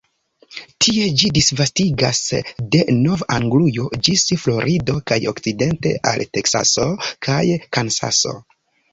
Tie ĝi disvastigas de Nov-Anglujo ĝis Florido kaj okcidente al Teksaso kaj Kansaso.